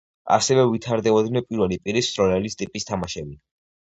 ასევე ვითარდებოდნენ პირველი პირის მსროლელის ტიპის თამაშები.